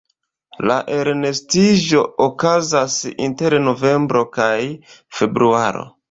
La elnestiĝo okazas inter novembro kaj februaro.